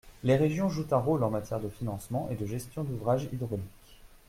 Les régions jouent un rôle en matière de financement et de gestion d’ouvrages hydrauliques.